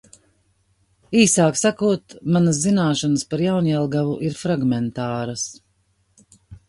Īsāk sakot – manas zināšanas par Jaunjelgavu ir fragmentāras.